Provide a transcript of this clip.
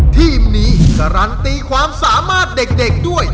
ทีมนี้การันตีความสามารถเด็กด้วย